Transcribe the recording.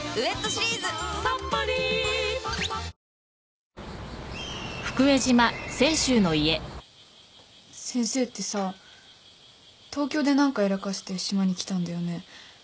わかるぞ先生ってさ東京で何かやらかして島に来たんだよね？